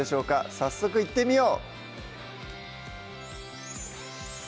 早速いってみよう！